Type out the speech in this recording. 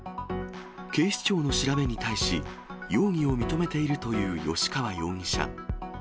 警視庁の調べに対し、容疑を認めているという吉川容疑者。